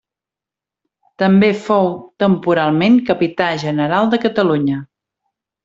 També fou temporalment Capità general de Catalunya.